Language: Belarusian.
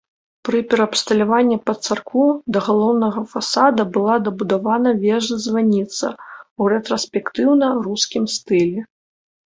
Пры пераабсталяванні пад царкву да галоўнага фасада была дабудавана вежа-званіца ў рэтраспектыўна-рускім стылі.